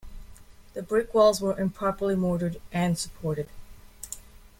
The brick walls were improperly mortared and supported.